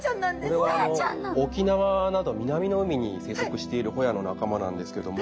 これは沖縄など南の海に生息しているホヤの仲間なんですけども。